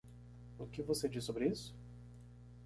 O que você diz sobre isso?